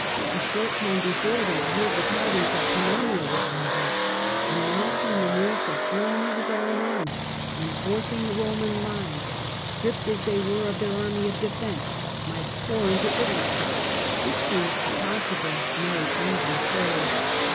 A short time before they had heard the tidings that Pannonia Panic at revolt, and now came the news that Rome, Gennany was all in arms, and, forcing the Roman lines, stripped as they were of their army of defence, might pour even into Italy, which seemed a possible nay easy prey.